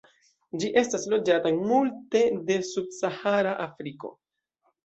Ĝi estas loĝanta en multe de subsahara Afriko.